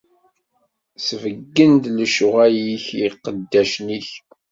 Sbeyyen-d lecɣwal-ik i iqeddacen-ik.